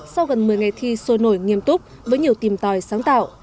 sau gần một mươi ngày thi sôi nổi nghiêm túc với nhiều tìm tòi sáng tạo